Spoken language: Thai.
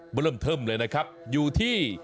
เริ่มเทิมเลยนะครับอยู่ที่